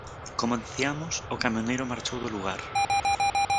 Como diciamos, o camioneiro marchou do lugar.